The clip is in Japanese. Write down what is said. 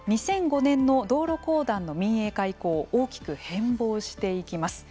２００５年の道路公団の民営化以降大きく変貌していきます。